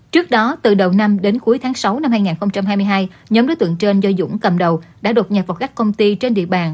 trước đó từ đầu năm đến cuối tháng sáu năm hai nghìn hai mươi hai nhóm đối tượng trên do dũng cầm đầu đã đột nhập vào các công ty trên địa bàn